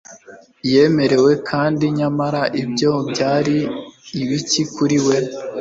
Yemerewe kandi nyamara ibyo byari ibiki kuri we